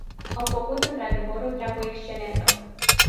Au făcut, într-adevăr, o treabă excelentă.